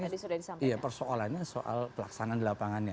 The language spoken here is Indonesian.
iya persoalannya soal pelaksanaan di lapangannya